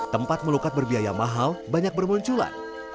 tempat melukat berbiaya mahal banyak bermunculan